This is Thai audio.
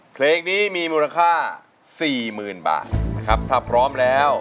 เพลงนี้มีมูลค่าสี่หมื่นบาทนะครับถ้าพร้อมแล้ว